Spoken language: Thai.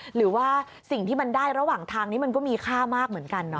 หรือว่าสิ่งที่มันได้ระหว่างทางนี้มันก็มีค่ามากเหมือนกันเนาะ